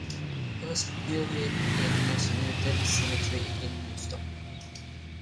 He was buried in Massanutten Cemetery in Woodstock.